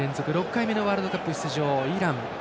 ６回目のワールドカップ出場、イラン。